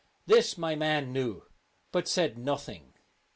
This my man knew, but said nothing.